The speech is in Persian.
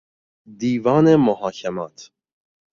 دیوان محاکمات